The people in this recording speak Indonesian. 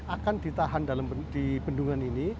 akan ditahan di bendungan ini